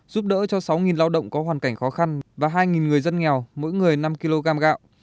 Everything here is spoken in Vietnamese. giúp đỡ cho sáu lao động có hoàn cảnh khó khăn và hai người dân nghèo mỗi người năm kg gạo